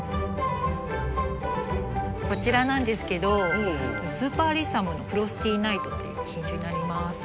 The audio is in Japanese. こちらなんですけどスーパーアリッサム・フロスティーナイトっていう品種になります。